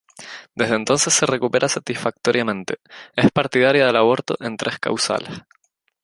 Desde entonces se recupera satisfactoriamente.Es partidaria del aborto en tres causales.